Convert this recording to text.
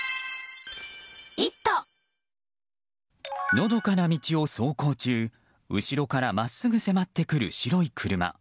のどかな道を走行中後ろから真っすぐ迫ってくる白い車。